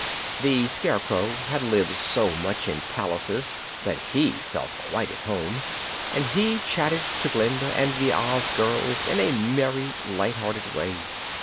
The Scarecrow had lived so much in palaces that he felt quite at home, and he chatted to Glinda and the Oz girls in a merry, light hearted way.